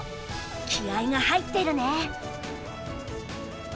気合いが入ってるね。